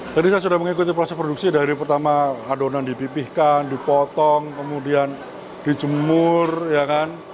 jadi saya sudah mengikuti proses produksi dari pertama adonan dipipihkan dipotong kemudian dijemur ya kan